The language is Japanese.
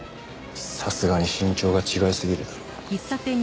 さすがに身長が違いすぎる。